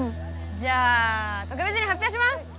じゃあ特別に発表します！